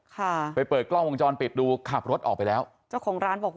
ค่ะไปเปิดกล้องวงจรปิดดูขับรถออกไปแล้วเจ้าของร้านบอก